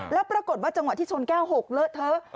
แล้วปรากฏว่าจังหวะที่ชนแก้ว๖เลอะเทอะ